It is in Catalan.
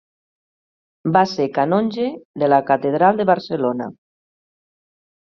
Va ser canonge de la catedral de Barcelona.